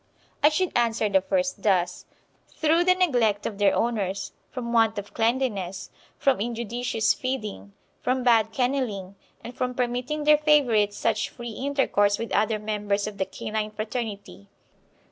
I should answer the first thus: Through the neglect of their owners, from want of cleanliness, from injudicious feeding, from bad kennelling, and from permitting their favourites such free intercourse with other members of the canine fraternity.